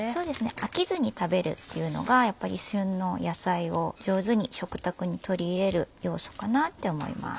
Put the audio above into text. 飽きずに食べるっていうのがやっぱり旬の野菜を上手に食卓に取り入れる要素かなって思います。